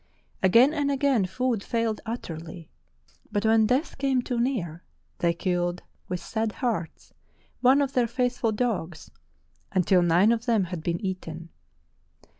Again and again food failed utterly, but when death came too near they killed, with sad hearts, one of their faithful dogs, until nine of them had been eaten.